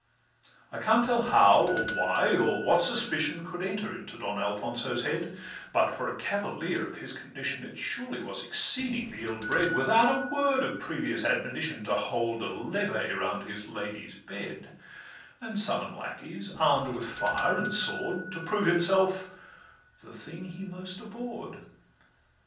I can't tell how, or why, or what suspicion Could enter into Don Alfonso's head; But for a cavalier of his condition It surely was exceedingly ill bred, Without a word of previous admonition, To hold a levee round his lady's bed, And summon lackeys, arm'd with fire and sword, To prove himself the thing he most abhorr'd.